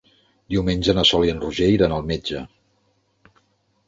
Diumenge na Sol i en Roger iran al metge.